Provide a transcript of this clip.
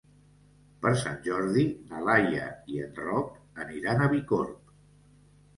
Per Sant Jordi na Laia i en Roc aniran a Bicorb.